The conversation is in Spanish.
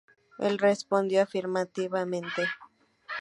Él respondió afirmativamente.